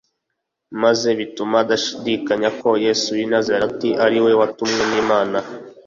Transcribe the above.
maze bituma adashidikanya ko Yesu w’i Nazareti ari Uwatumwe n’Imana